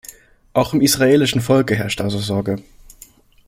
Auch im israelischen Volke herrscht also Sorge.